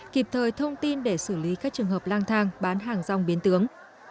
kịp thời thông tin để xử lý các trường hợp lang thang bán hàng rong biến tướng